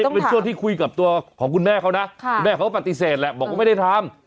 เป็นช่วงที่คุยกับตัวของคุณแม่เขานะคุณแม่เขาก็ปฏิเสธแหละบอกว่าไม่ได้ทำ